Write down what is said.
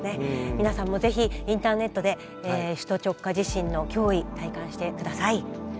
皆さんも是非インターネットで首都直下地震の脅威体感してください。